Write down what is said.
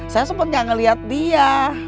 saya sempat gak ngeliat dia